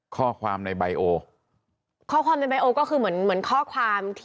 ข้อความในใบโอข้อความในใบโอก็คือเหมือนเหมือนข้อความที่